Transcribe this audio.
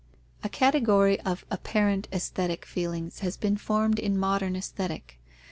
_ A category of apparent aesthetic feelings has been formed in modern Aesthetic.